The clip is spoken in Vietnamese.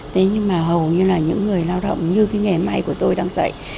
thế nhưng mà hầu như là những người lao động như cái nghề may của tôi đang dạy